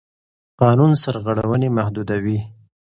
قانون سرغړونې محدودوي.